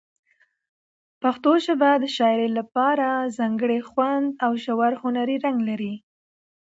پښتو ژبه د شاعرۍ لپاره ځانګړی خوند او ژور هنري رنګ لري.